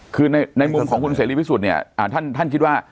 คือในมุมของคุณการ์ส่วนในที่วิสุทธิ์เนี่ยอ่าท่านท่านคิดว่า